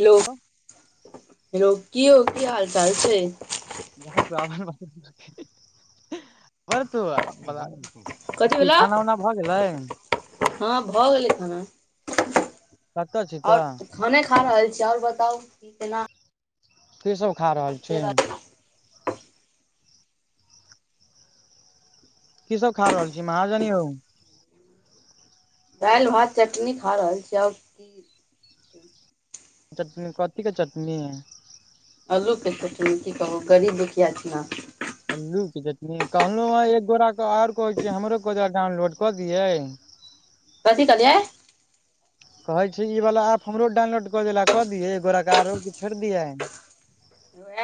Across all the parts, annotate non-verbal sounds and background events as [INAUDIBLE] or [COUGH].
Hello लोकी हो की हाल चाल छै जा बरत [UNINTELLIGIBLE] कथी कि भेलौ खाना उना भऽ गेलै हँ भऽ गेलै खाना कऽ तऽ छी आओर तऽ खाने खा रहल छी आऔर बताउ कि केना कि सभ खा रहल चलि छिये छै? कि सभ खा रहल छी महाजन यो दालि भात चटनी खा रहल छी आब। कि चटनी कथी के चटनी आलूके कि कहू गरीब दुखिया छै ने अल्लू के जटनी कहलहूँ हैं एक गोरा आओर कह छै हमरो के डाउनलोड कऽ दियै काथी कलियै कहै छै ई वला एप हमरो डाउनलोड कऽ देला क दियै एगोरे आरो छोड़ि दियै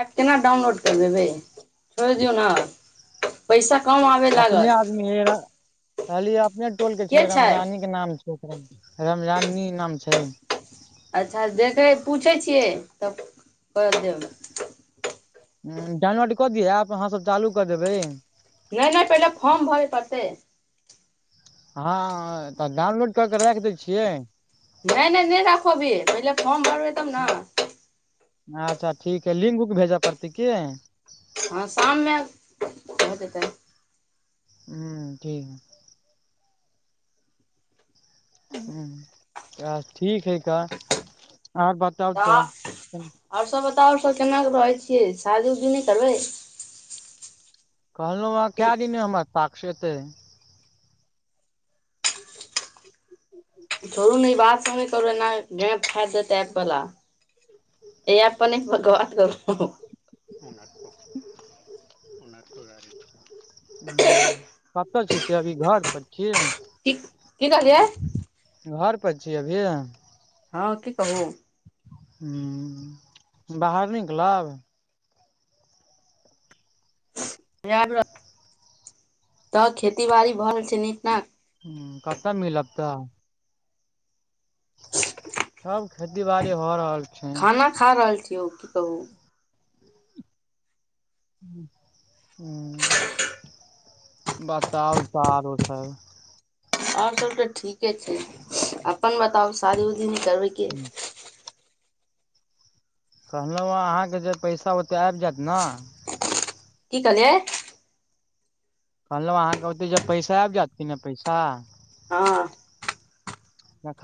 एप केना डाउनलोड कर देबै छोड़ दियौ न पैसा कम आबे लागतऽ कहली अपने टोल के छै रमजानी के नाम छै रामजानी नाम छै अच्छा देखै पूछै छियै तब कर देब डाउनलोड कऽ दिय आब अहाँ सभ चालू कऽ देबै नहि नहि पहिले फॉर्म भरय पड़तै। हँ तऽ डाउनलोड कऽ के राखि दै छियै। नहि नहि नहि राखबि पहिले फोर्म अच्छा ठीक हैं लिंक बुक भेजऽ पड़तै कि हँ शाम मे भऽ जेतै हू ठीक त ठीक है क आर बात तऽ आओर सभ बताउ आओर सभ केना कऽ रहै छियै शादी उदी नहि करबै कहलहुँ हँं कए दिनमे हमर साक्षस एतै। छोड़ ने ई बात सम नहि करू एना फायतप पला ए आप परने भव करू ओक। हैं कतऽ छ त अभी घर पर छियै कि कि कहलियै। घर पर छिये अभी। हँ कि कहब बाहर न निकलब त खेती बाड़ी भऽ रहल छै नीक नाक हू कतऽ मिलत तऽ। सब खेती बाड़ी हो रहल छै। हूँ खाना खा रहल छियौ की कहू हू बताउ तऽ आरो सब आओर सब तऽ ठीके छै अपन बताउ शादी उदी नहि करबैके। कहलहुँ हँ अहाँके जे पैसा ओते आबि जायत नऽ। की कहलियै कहलहुँ अहाँके ओते जे पैसा आबि जायत कि नहि पैसा। हँ।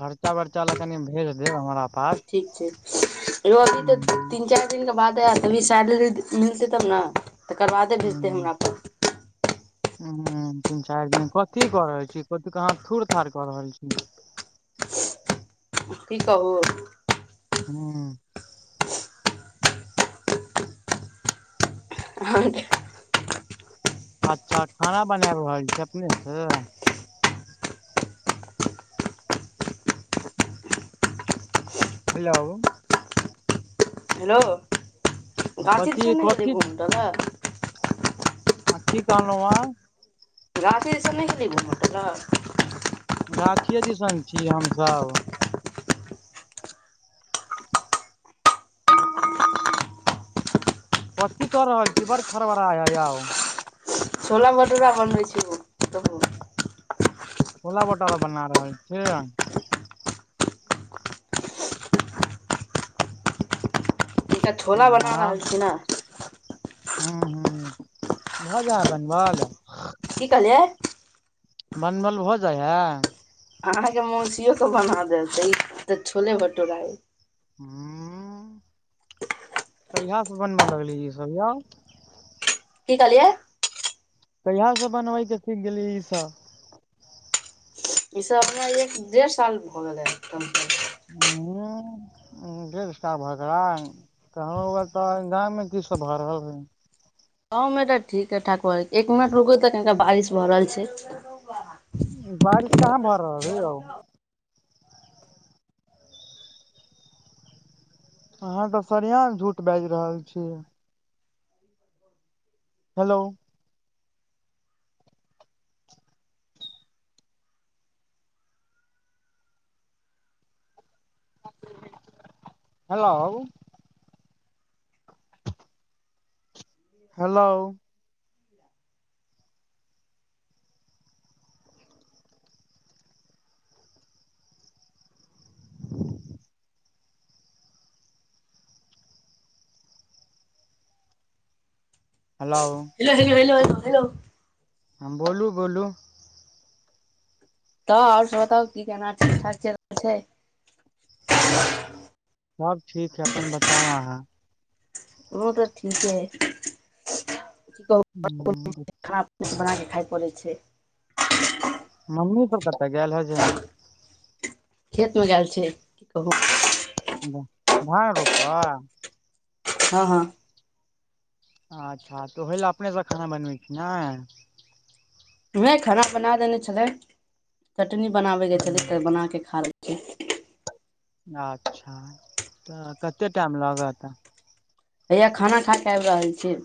खर्चा बर्चा ला कनि भेज देब हमरा पास। ठीक छै यी अभी तऽ ह तीन चारि दिनके बादे आ तभी सैलरी मिलतै तब नऽ तकरबादे भेजतै हमरा पर। हू तीन चारि दिन कथी क रहल छी कथी थूुर थड़ कऽ रहल छी। की कहू हू आहँके अच्छा खाना बनाब रहल छै अपने से हेलो हेलो गाछी कथी दिसन नहि गेलहि कथी घुम लऽ तऽ हँ की कहलहु हा गाछी दिस नहि गेलै घुमैके लऽ गाछिे दिस छीिय हम सब। कथी कऽ रहल छी बड़ खड़बड़ा है आउ छोला भटूरा बनबै छै ओ तहू छोला भटारा बना रहल छियै। एकटा छोला बना रहल छी नऽ हू हू भऽ जायय बनबल की कहलियै। बनवल भऽ जाइया अहाँके मौसीयो कऽ बना देब त ई छोला भटूरा हू कहिया सऽ बनबऽ लगले ई सब आौ की कहलियऐै। कहिया सऽ बनबैके सीख गेलियै ईसब। ई सब अपना एक देढ़ साल भऽ जादम हूँ डेढ़ साह भऽ गेल कहु तऽ गाम मे की सब भऽ रहल हे गाँव मऽ ठीके ठाक भ रह एक मिनट रुको तक कनिका बारिश भऽ रहल छै बारिश कहाँ भऽ रहल आई आौ अहाँ तऽ सरियाम झूठ बाजि रहल छि hello hello hello hello hello hello hello hello हां बोलू बोलू तऽ आओर बताउ की केना ठीक ठाक चेल रहल छै सब ठीक है अपन बताउ अहाँ ओ तऽ ठीकेँ [UNINTELLIGIBLE] किछ हम्म, बनाए कऽ खैइ परै छै मम्मी सब कत गैल है जे खेत मे गेल छै [INAUDIBLE] की कहू [UNINTELLIGIBLE] रोपवह हँ हँ अच्छ तऽ ओइ लए अपने स खाना बनबै छै ना नै खाना बना देने छलै [INAUDIBLE] चटनी बनाबे केँ छलै स बना केँ खा लेै छिए अच्छ [INAUDIBLE] तऽ कते टाइम लगत हैया खाना खा कऽ आइब रहल छियै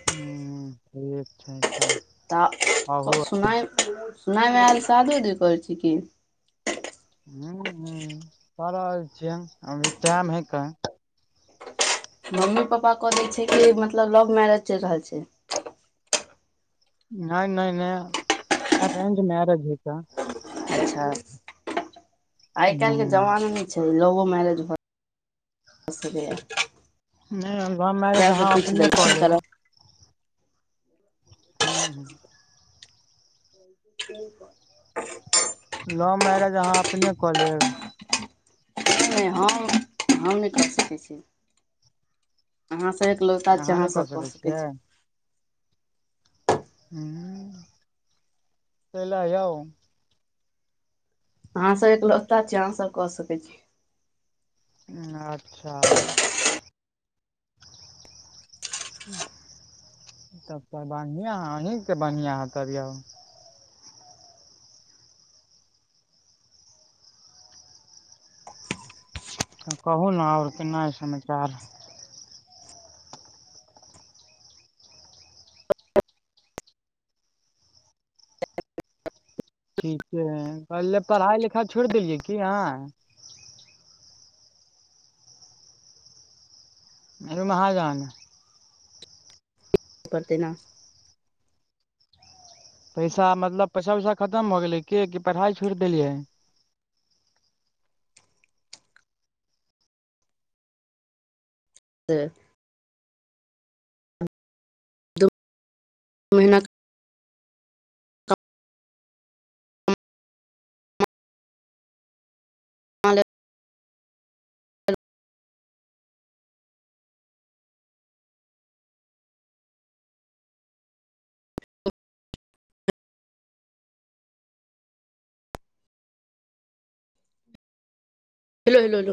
[UNINTELLIGIBLE] [UNINTELLIGIBLE] तऽ आबू सुना सुनायमे आयल शादू उदी करै छी की हू हू कऽ रहल छियै अभी टाइम हय कन मम्मी पापा कऽ दै छै कि मतलब लव मैरेज चैल रहल छै नै नै नै [INAUDIBLE] अरेंज मैरेज हैत अच्छ आइ काइल हूँ केँ जमाना नै छै लवो मैरेज भऽ [INAUDIBLE] सकै यऽ नहि लव [INAUDIBLE] मैरेज तै स अहाँ पुंछ अपने ले कऽ लिए चल लेब हू ह [UNINTELLIGIBLE] लव मैरेज अहाँ अपने कऽ लेब नै हम हम नै कऽ सकै छी अहाँसभ एकलोता छी अहाँ नहि अहाँसभ कऽ सकै छियै छी हू [INAUDIBLE] काइ लऽ यौ अहाँ सब एकलोता छिय अहाँ सब कऽ सकैत छी अच्छ [UNINTELLIGIBLE] तब तऽ बढ़िया अहीं कऽ बढ़िया ह तब यौ तऽ कहू न और की नया समाचार [UNINTELLIGIBLE] ठीकेँ है पहिले पढ़ाइ लिखाइ छोड़ि देलियै की अहाँ हयो महजन परते ना पैसा मतलब पैसा उैसा खतम हो गेलै की की पढ़ाई छोड़ देलियै से मेहनत [UNINTELLIGIBLE] [UNINTELLIGIBLE]